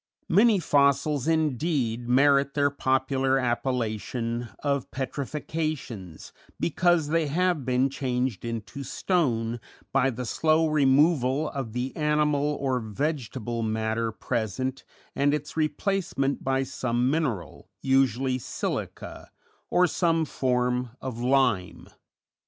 Many fossils indeed merit their popular appellation of petrifactions, because they have been changed into stone by the slow removal of the animal or vegetable matter present and its replacement by some mineral, usually silica or some form of lime.